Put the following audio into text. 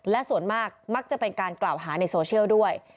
และส่วนมากมักจะเป็นการกล่าวหาในโซเชียลด้วย